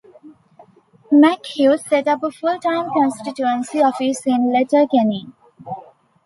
McHugh set up a full-time constituency office in Letterkenny.